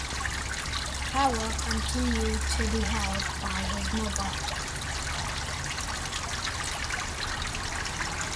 Power continued to be held by his mother.